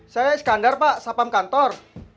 saya iskandar pak sapam kantor